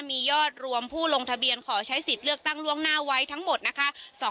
มียอดรวมผู้ลงทะเบียนขอใช้สิทธิ์เลือกตั้งล่วงหน้าไว้ทั้งหมดนะคะ